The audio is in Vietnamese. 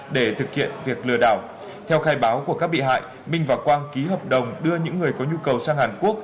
để thực hiện việc lừa đảo theo khai báo của các bị hại minh và quang ký hợp đồng đưa những người có nhu cầu sang hàn quốc